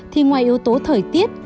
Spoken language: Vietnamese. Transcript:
thì ngoài yếu tố thời tiết